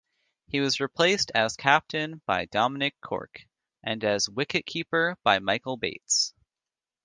He was replaced as captain by Dominic Cork and as wicket-keeper by Michael Bates.